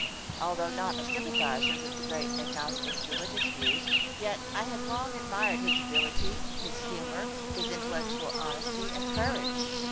Although not a sympathizer with the great Agnostic's religious views, yet I have long admired his ability, his humor, his intellectual honesty and courage.